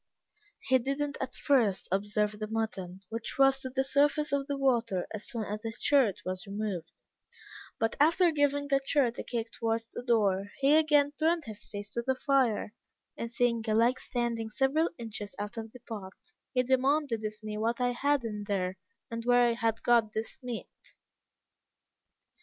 "He did not at first observe the mutton, which rose to the surface of the water as soon as the shirt was removed; but, after giving the shirt a kick towards the door, he again turned his face to the fire, and seeing a leg standing several inches out of the pot, he demanded of me what I had in there and where I had got this meat!